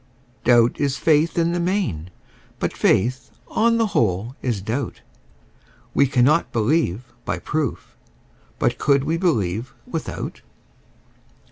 Doubt is faith in the main: but faith, on the whole, is doubt: We cannot believe by proof: but could we believe without?